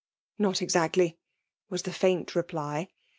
*• *^»*Nbt exactly," was the faint reply.